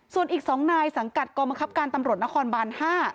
ส่วนอีก๒นายสังกัดกองบังคับการตำรวจนครบาน๕